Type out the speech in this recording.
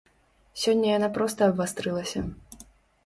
Сёння яна проста абвастрылася.